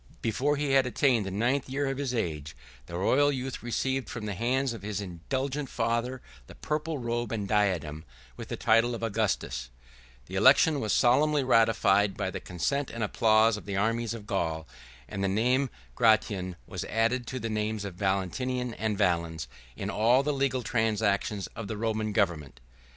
Before he had attained the ninth year of his age, the royal youth received from the hands of his indulgent father the purple robe and diadem, with the title of Augustus; the election was solemnly ratified by the consent and applause of the armies of Gaul; 156 and the name of Gratian was added to the names of Valentinian and Valens, in all the legal transactions of the Roman government.